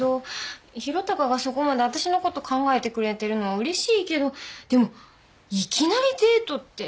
宏嵩がそこまで私のこと考えてくれてるのはうれしいけどでもいきなりデートって。